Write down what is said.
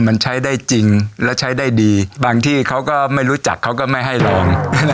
มันใช้ได้จริงและใช้ได้ดีบางที่เขาก็ไม่รู้จักเขาก็ไม่ให้ลอง